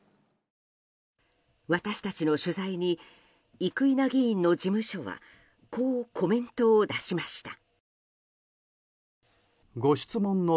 私たちの取材に生稲議員の事務所はこうコメントを出しました。